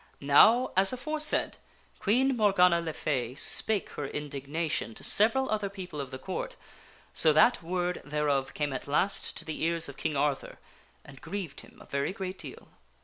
Now, as aforesaid, Queen Morgana le Fay spake her indignation to sev eral other people of the Court, so that word thereof came at last to the ears of King Arthur and grieved him a very great deal.